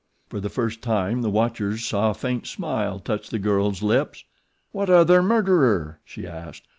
For the first time the watchers saw a faint smile touch the girl's lips. "What other murderer?" she asked.